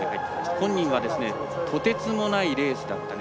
本人はとてつもないレースだったね。